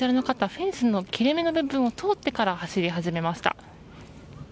フェンスの切れ目の部分を通ってから走り始めました。